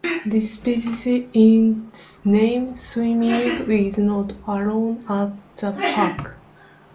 Despite its name, swimming is not allowed at the park.